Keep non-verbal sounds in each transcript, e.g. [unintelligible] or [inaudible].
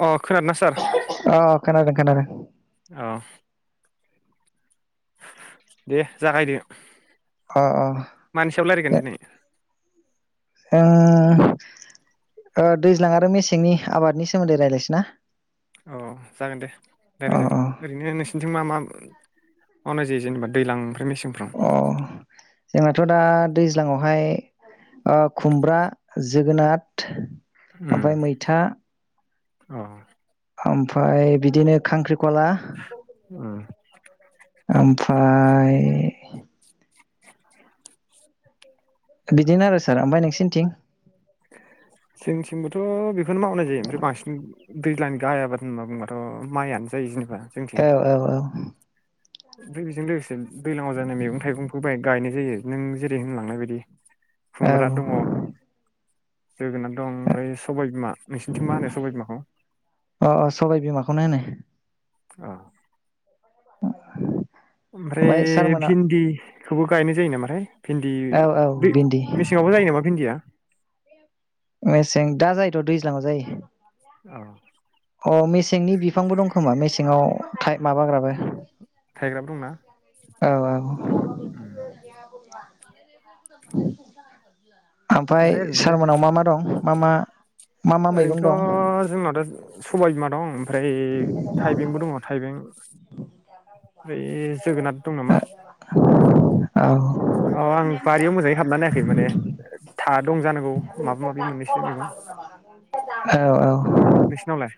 अ खोनादोंना सार अ खोनादों खोनादों। औ दे जागायदो अ मानि सायाव लायरायगोन दिनै ओ ओ दैज्लां आरो मेसेंनि आबादनि सोमोन्दै रायलायसै ना? अ जागोन दे अ लायराय अ जागोन ओरैनो नोंसिनिथिं मा मा मावनाय जायो जेनेबा दैलां ओमफ्राय मेस सेंफ्राव अ जोंनाथ' दा दैज्लाङावहाय ओ खुमब्रा जोगोनाथ उम ओमफाय मैथा अ ओमफाय बिदिनो खांख्रि कला उम ओमफाय बिदिनो आरो सार ओमफाय नोंसिनिथिं? जोंनिथिंबोथ' बेखौनो मावनाय जायो ओमफ्राय बांसिन दैज्लांनि गाहाय आबाद होनना बुंबाथ माइयानो जायो जों औ औ औ ओमफ्राय बेजों लोगोसे दैलाङाव जानाय मैगं थाइगंखौ बाय गायनाय जायो नों जेरै होनलांनाय बायदि। औ खुमब्रा दङ। अ जोगोनाद दं ओमफाय सबाय बिमा नोंसिनिथिं मा होनो सबाय बिमाखौ अ अ सबाइ बिमाखौनो होनो। अ [inaudible] ओमफ्राय भिन्दि खौबो गायनाय जायो नामाथाय? भिन्दि औ औ दै भिन्दि मेसेङावबो जायो नामा भिन्दिया मेसें दा जायोथ दैज्लाङाव जायो । औ । अ मेसेंनि बिफांबो दं खोमा मेसेंआव थाइ माबाग्राबो थाइग्राबो दंना। औ औ । उम। [unintelligible] ओमफाय ओमफ्राय ओरैनो सारमोननाव मा मा दं? मा मा मा मा मैगं दं ओरैनोथ जोंनाथ सबाय बिमा दं । ओमफ्राय थाइबेंबो दङ थाइबें [unintelligible] जोगोनार दं नामा? औ अ आं बारियाव मोजाङै हाबना नायाखै माने था दं जानांगौ माबा माबि मोनैसो मेगं औ औ। नोंसिनावलाय?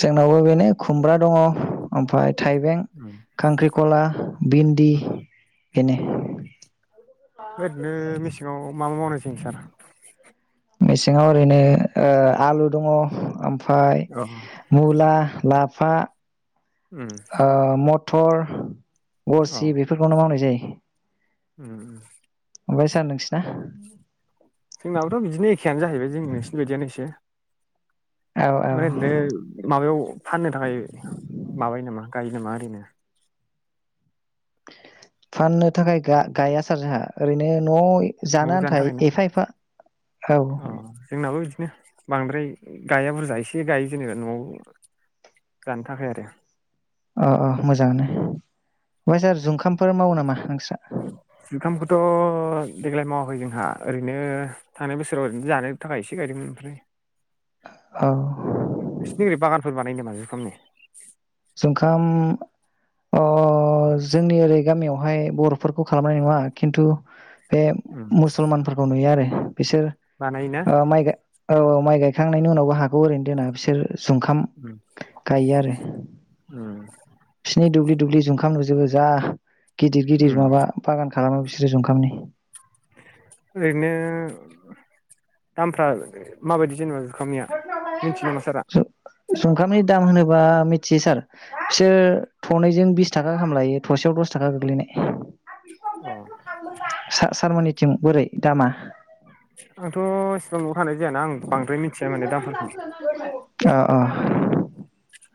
जोंनावबो बेनो खुमब्रा दङ ओमफाय थाइबें उम खांख्रिखला भिन्दि उम। बिनो ओरैनो मिसें आव मा मा मावनाय जायो सार? मेसेङाव ओरैनो ओ‌ आलु दङ ओमफ फाय अ मुला लाफ फा उम ओ मथ थर अ गरसि बेफोरखौनो मावनाय जायो। उम ओमफाय सार नोंसिना जोंनाबोथ' बिदिनो एखेयानो जाहैबाय जों नोंसिनि बायदियानो एसे औ ओमफ्राय औ ओरैनो माबायाव फाननो थाखाय माबायो नामा गायो नामा ओरैनो? फाननो थाखाय गा गाया सार जाहा ओरैनो नय जानो न'आव आन्था थाखाय ना एफा एफा औ। नो बांद्राय गाया बुरजा एसे गायो जेनेबा नआव जानो थाखाय आरो अ अ मोजाङानो ओमफ्राय सार जुखामफोर मावो नामा नोंस्रा? जुखामखौथ देग्लाय मावाखै जोंहा ओरैनो थांनाय बोसोराव ओरैनो जानो थाखाय एसे गायदोंमोन ओमफ्राय औ नोंसिनि ओरै बागानफोर बानायो नामा जुखामनि? जोंखाम ओ जोंनि ओरै गामियावहाय बरफोरखौ खालामनाय नुवा खेन्थु बे उम मुसलमानफोरखौ नुयो आरो । बिसोर बानायोना माइ गाय औ औ माइ गायखांनायनि उनावबो हाखौ ओरैनो दोना बिसोर । जुंखाम उम गायो आरो । उम दुब्लि दुब्लि जुुंखां नुजोबो जा। गिदिर-गिदिर उम माबा बागान खालामो बिसोरो जओंखामनि। ओरैनो [inaudible] दामफ्रा माबायदि जेनेबा जुखामनिया मिथियो नामा सारा [unintelligible] दाम होनोबा मिथियो सार बिसोर थनैजों बिस थाखा खाहामलायो थसेयाव दस थाखा गोग्लैनाय। अ सारमोननि टिम बोरै दामा? आंथ इसि [unintelligible] नाय जायाना आं बांद्राय मिथिया माने दामफोरखौ। आ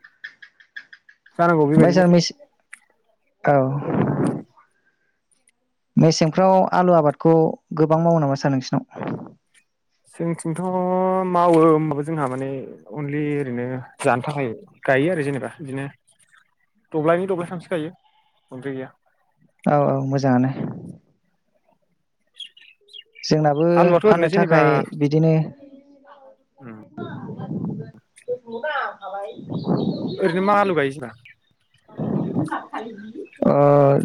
जानांगौ सार बेबायदिनोसो मेसे औ मेसेंफ्राव आलु आबादखौ गोबां मावो नामा सार नोंसिनाव? जोंथिंथ मावो होनोमबाबो जोंहा माने अनलि ओरैनो जानो थाखाय गायो आरो जेनेबा बिदिनो। दब्लायनि दब्लाय सानस्रिखायो । बुजै गैया [unintelligible] औ औ मोजाङानो। जोंनाबो आलुआथ' ओरैनो फाननो जेनेबा थाखाय बिदिनो उम [unintelligible] ओरैनो मा आलु गायो नों सिना?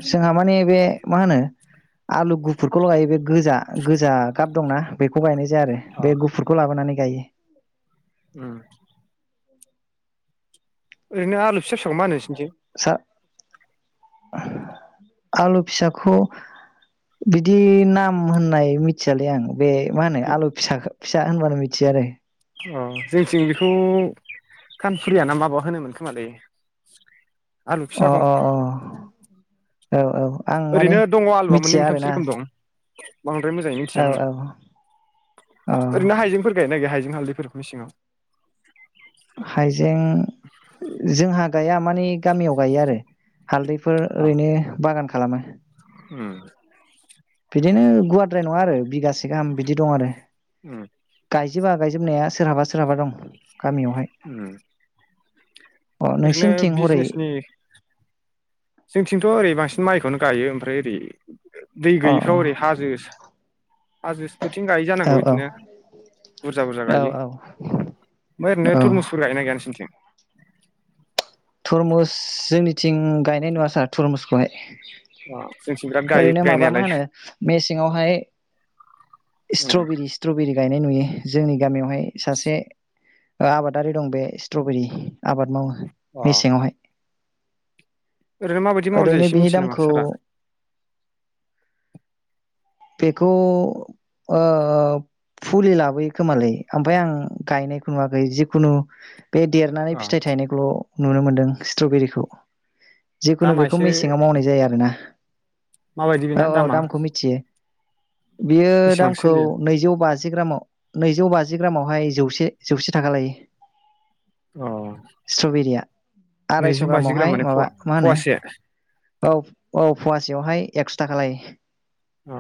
जोंहा माने बे मा होनो आलु गुफुरखौ लगायो बे गोजा। गोजा गाब दंना बेखौ गायनाय जा आरो अ बे गुफुरखौ लाबोनानै गायो‌ उम ओरैनोलु फिसा फिसौ म होनो? नोंसिनिथिं सा आलु फिसाखौ बिदि नाम होननाय मिथियालै आं । बे मा होनो आलु फिसाखो फिसा होनबानो मिथियो आरो अ जोंथिं बेखौ खानफुरिया ना माबा होनोमोन खोमालै आलु अ फिसाखौ अ औ औ आं माने ओरैनो दङ आलुवा मोननै मिथिया मोनथामसो आरोना रोखोम दं [inaudible] बांद्राय मोजाङै औ मिथियामोन औ औ आं ओरैनो हाइजेंफोर गायनाय गैया हाइ हालदैफोर मेसेङाव हाइजें मानि। गामियाव गायो आरो हालदैफोर अ ओरैनो बागान खालामो उम । बिदिनो गुवारद्राय नङा आरो। बिगासे गाम बिदि दं आरो गाय उम गायजोबा गायजोबनाया सोरहाबा सोरहाबा दं गामियावहाय उम अ ओरैनो नोंसिनिथिं हरै बिजनेसनि जोंनिथिंथ ओरै बांसिन माइखौनो गायो ओमफ्राय ओरै दै अ गैयिफ्राव ओरै हाजो हाजोफोरोथिं गायै अ जानांगौ औ बिदिनो बुरजा-बुरजा औ गायो औ ओमफ्राय ओरैनो औ थरमुसफोर गाय न गैया नसोरनिथिं? तरमुस जोंनि थिं गायनाय नुवा सार थुरमुसखौहाय अ जोंथिं बिराद गायो ओरैनो माबा मा गायनायालाय होनो मेसेंयावहाय उम स्ट्रबेरि स्ट्रबेरि गायनाय नुयो जोंनि गामियावहाय सासे आबादारि दं बे स्ट्रबेरि आबाद मावो अ मेसेंयावहाय ओरैनो माबायदि मावनाय जायो एसे बिनि मिथियो नामा दामखौ सारआ। बेखौ ओ फुलि लाबोयो खोमालै आमफाय आं गायनायखौ नुवाखै जिखुनु बे देरनानै अ फिथाइ थायनायखौल' नुनो मोनदों। स्ट्रबेरिखौ जिखुनु दामा बेखौ एसे मेसेङाव मावनाय जायो आरो ना। माबायदि बेना औ औ दामा दामखौ मिथियो। बेयो बेसेबां दामखौ सोलियो नैजौ बाजि ग्रामाव नैजौ बाजि बाजिग्रामावहाय जौसे जौसे थाखा लायो अ स्ट्रबेरिया आरायस' नैजौ बाजि ग्राम ग्रामावहाय माने फवा माबा मा होनो फवासे अ औ औ फुवासेयाव हाय एकस' थागा लायो। अ।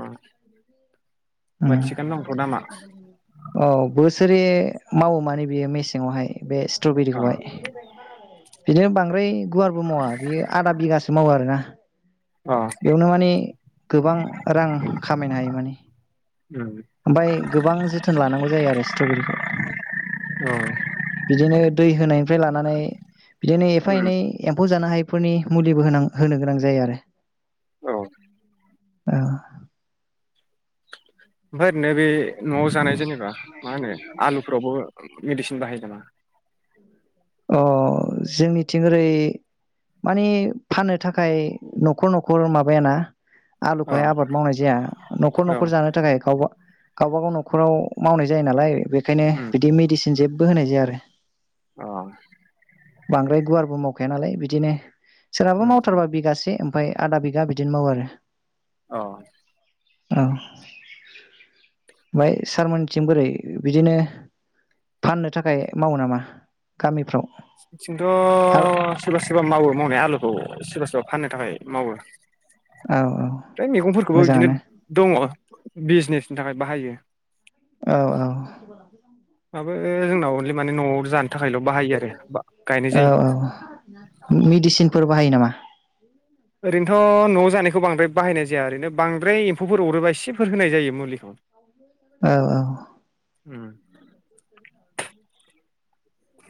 औ बोसोरै बे मावो माने बेयो मेसेङावहाय बे अ स्ट्रबेरिखौहाय बिदिनो बांद्राय गुवारबो मावा बेयो आदा बिगासो मावो आरोना। अ बेयावनो माने गोबां रां खामायनो हायो माने उम ओमफ्राय गोबां जोथोन लानांगौ जायो आरो स्ट्रबेरिखौ औ बिदिनो दै होनाय फ्राय लानानै बिदिनो एफा उम एनै एम्फौ जानो हायै फोरनि मुलिबो होनां होनो गोनां जायो आरो। [inaudible] औ औ। ओमफ्राय ओरैनो बे नआव जानाय जेनेबा मा होनो आलुफोरावबो मेडिसिन बाहायो नामा? अ। जोंनिथिं ओरै मानि फाननो थाखाय नखर नखर माबायाना आलुखौहाय अ आबाद मावनाय जाया नख'र औ नख'र जानो थाखाय गावबा गावबागाव नखराव मावनाय जायो नालाय बेखायनो उम बिदि मेडिसिन जेबबो जेबबो होनाय जाया आरो अ बांद्राय गुवारबो मावखाया नालाय बिदिनो सोरहाबो उम मावथारबा बिगासे [unintelligible] आदा बिगा बिदिनो मावो आरो अ औ ओमफ्राय सारमोनथिं बोरै बिदिनो फाननो थाखाय मावो नामा गामिफ्राव थिंथ औ सोरबा सोरबा मावो मावनाय आलुखौ सोरबा सोरबा फाननो थाखाय मावो औ ओमफ्राय मैगंफोरखौबो बिदिनो मोजाङानो दङ बिजनेसनि थाखाय बाहायो औ औ। माबो जोंनाव अनलि माने न'आव जानो थाखायल' बाहायो आरो बा गायनाय औ जायो औ मेडिसिन फोर बाहायो नामा ओरैनोथ' न'आव जानायखौ बांद्राय बाहायनाय जाया ओरैनो बांद्राय एम्फौफोर अरोबा इसेफोर होनाय जायो मुलिखौ। औ औ उम।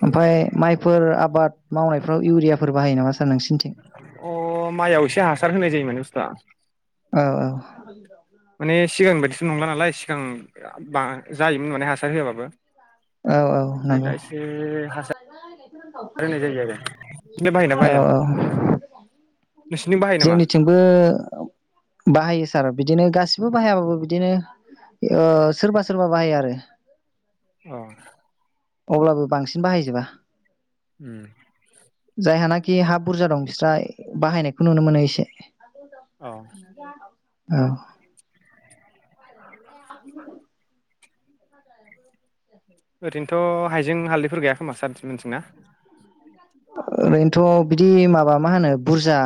ओमफफ्राय माइफोर आबाद मावनायफ्राव इउरियाफोर बाहायो नामा? सार नोंसिनिथिं? अ माइआव एसे हासार होनाय जायो माने स्था औ औ। माने सिगां बायदिथ नंला नालाय सिगां बा जायोमोन माने हासार होआबाबो। औ औ ओमफ्राय दा नंगौ एसे [inaudible] होनाय जायो आरो [unintelligible] बाहायो ना औ बाहाया? औ नोंसिनिथिं बाहायो नामा जोंनिथिंबो बाहायो सार बिदिनो गासिबो बाहायाबाबो बिदिनो ओ सोरबा सोरबा बाहायो आरो औ अब्लाबो बांसिन बाहायजोबा। उम [unintelligible] हा बुरजा दं बिस्रा बाहायनाय खौ नुनो मोनो एसे। औ औ ओरैनोथ' हाइजें हालदैफोर गाइया खोमा सारथिं मोनथिं ना? ओरैनोथ बिदि माबा मा होनो बुरजा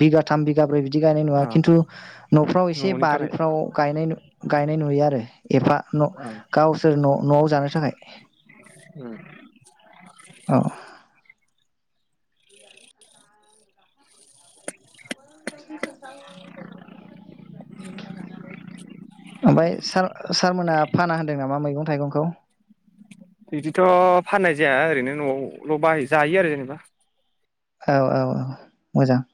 बिगाथाम बिगाब्रै बिदि बिदि गायनाय नुया अ खिनथु नफ्राव एसे न'नि थाखाय बारिफ्राव गायनाय नाय नुयो आरो एफा औ गावसोर न नआव जानो थाखाय उम [inaudible] औ ओमफाय सार सारमोना फाना होनदों नामा मैगं थाइगंखौ बिदिथ फाननाय जाया ओरैनो न आवल बाय जायो आरो जेनेबा औ- औ -औ मोजां ।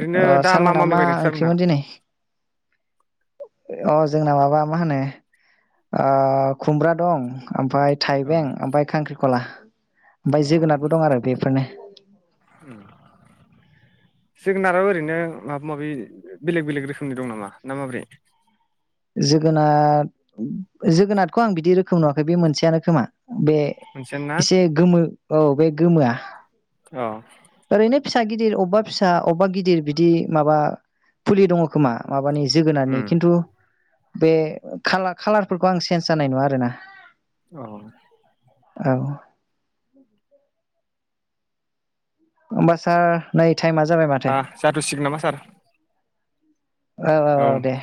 ओरैनो अ दा सारमोनहा मैगं मा गायदों नोंस्रा मोनहा ओंख्रिमोन दिनै? अ जोंना माबा मा होनो अ खुमब्रा दं। ओमफाय अ थाइबें ओमफ्राय खांख्रि खला। ओमफ्राय अ जोगोनारबो दं आरो बेफोरनो जोगोनाराबो ओरैनो माबा माबि बेलेग बेलेग रोखोमनि दं नामा ना माब्रै? जोगोनार जोगोनारखौ आं बिदि रोखोम नुवाखै बे मोनसेयानो खोमा। बे मोनसेयानो ना एसे गोमो औ बे गोमोआ। अ ओरैनो फिसा गिदिर अबेबा फिसा अबेबा गिदिर बिदि माबा फुलि दङ खोमा मा। माबानि जोगोनारनि उम खिन्थु बे खालारफोरखौ आं चेन्ज जानाय नङा आरोना। औ औ ओमबा सार नाय आ जाथसिगोन नामा सार? औ औ औ दे।